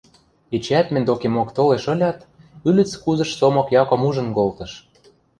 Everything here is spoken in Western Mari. Эчеӓт мӹнь докемок толеш ылят, ӱлӹц кузыш Сомок Яком ужын колтыш.